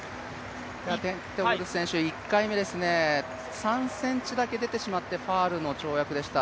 テントグル、１回目、３ｃｍだけ出てしまってファウルの跳躍でした。